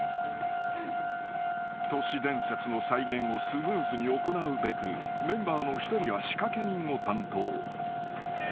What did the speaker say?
［都市伝説の再現をスムーズに行うべくメンバーの一人は仕掛け人を担当］